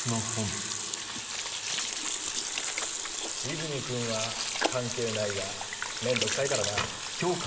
泉君は関係ないがめんどくさいからな。